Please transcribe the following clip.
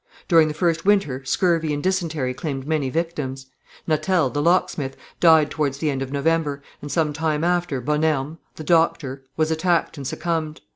During the first winter scurvy and dysentery claimed many victims. Natel, the locksmith, died towards the end of November, and some time after Bonnerme, the doctor, was attacked and succumbed.